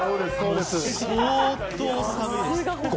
相当寒いです。